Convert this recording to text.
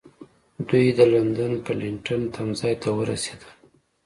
دوی د لندن پډینګټن تمځای ته ورسېدل.